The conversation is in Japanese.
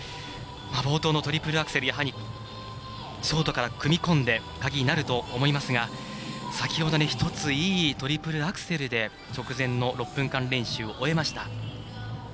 冒頭のトリプルアクセルやはりショートから組み込んで鍵になると思いますが先ほど、１ついいトリプルアクセルで直前の６分間練習を終えました。